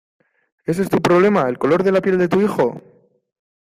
¿ ese es tu problema, el color de la piel de tu hijo?